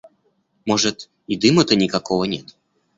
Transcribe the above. Может, и дыма-то никакого нет.